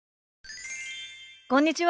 こんにちは。